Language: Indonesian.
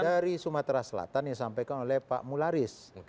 dari sumatera selatan yang disampaikan oleh pak mularis